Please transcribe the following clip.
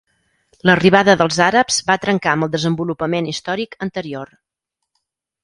L'arribada dels àrabs va trencar amb el desenvolupament històric anterior.